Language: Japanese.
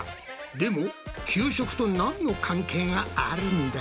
でも給食となんの関係があるんだ？